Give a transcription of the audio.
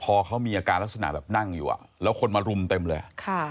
พอเขามีอาการลักษณะแบบนั่งอยู่แล้วคนมารุมเต็มเลย